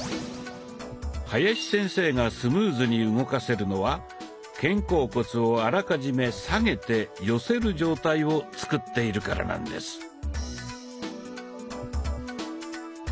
林先生がスムーズに動かせるのは肩甲骨をあらかじめ下げて寄せる状態を作っているからなんです。